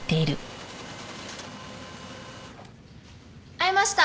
合いました。